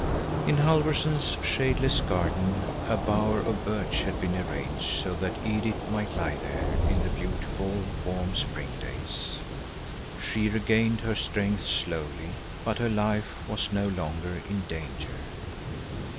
In Halfvorson's shadeless garden a bower of birch had been arranged so that Edith might lie there in the beautiful, warm spring days. She regained her strength slowly, but her life was no longer in danger.